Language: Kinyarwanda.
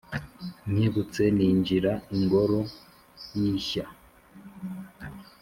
Nkebutse ninjira ingoro y’ishya